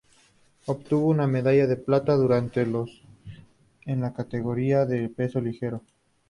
Obtuvo una medalla de plata durante los en la categoría de peso ligero.